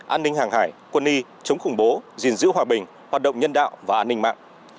an ninh hàng hải quân y chống khủng bố gìn giữ hòa bình hoạt động nhân đạo và an ninh mạng